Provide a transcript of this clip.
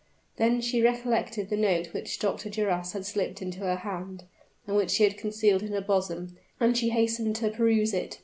Then she recollected the note which Dr. Duras had slipped into her hand, and which she had concealed in her bosom; and she hastened to peruse it.